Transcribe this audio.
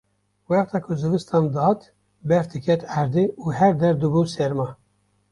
Wexta ku zivistan dihat berf diket erdê û her der dibû serma